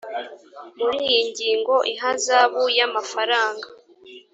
muri iyi ngingo ihazabu y amafaranga